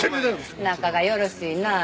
仲がよろしいなあ。